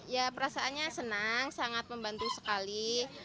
ya perasaannya senang sangat membantu sekali